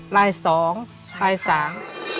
ลายสองลายสาม